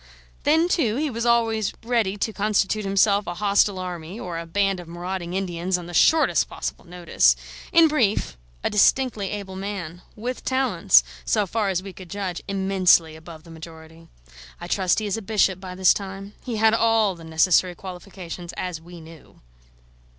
Then, too, he was always ready to constitute himself a hostile army or a band of marauding Indians on the shortest possible notice: in brief, a distinctly able man, with talents, so far as we could judge, immensely above the majority. I trust he is a bishop by this time, he had all the necessary qualifications, as we knew.